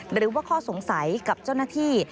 หรือว่าข้อสงสัยกับเจ้าหน้าที่